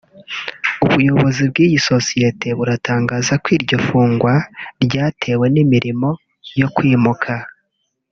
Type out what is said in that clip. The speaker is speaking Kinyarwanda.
ubuyobozi bw’iyi sosiyete buratangaza ko iryo fungwa ryatewe n’imirimo yo kwimuka